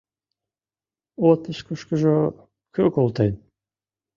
Отпускышкыжо кӧ колтен?